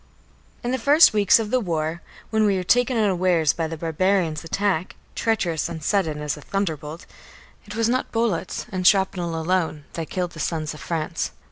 In the first weeks of the war when we were taken unawares by the barbarians' attack, treacherous and sudden as a thunderbolt, it was not bullets and shrapnel alone that killed the sons of France.